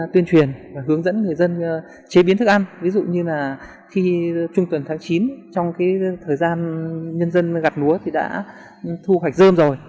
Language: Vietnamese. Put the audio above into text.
thời gian nhân dân gạt núa thì đã thu hoạch dơm rồi